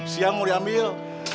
siang mau diambil